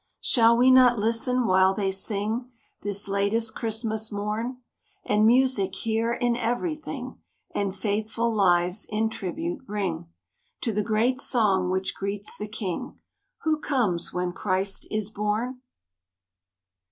Shall we not listen while they sing This latest Christmas morn, And music hear in everything, And faithful lives in tribute bring, To the great song which greets the King Who comes when Christ is born?